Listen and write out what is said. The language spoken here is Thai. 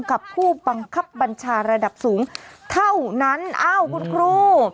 กับผู้บังคับบัญชาระดับสูงเท่านั้นอ้าวคุณครู